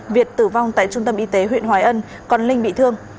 việt tử vong tại trung tâm y tế huyện hoài ân còn linh bị thương